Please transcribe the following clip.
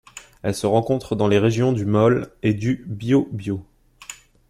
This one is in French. Elle se rencontre dans les régions du Maule et du Biobío.